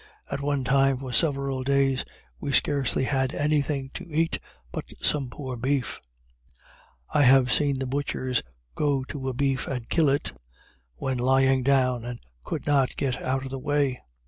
At one time, for several days, we scarcely had any thing to eat but some poor beef. I have seen the butchers go to a beef and kill it, when lying down and could not get out of the way.